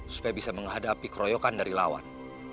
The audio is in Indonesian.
supaya bisa menghadapi keroyokan dari lawan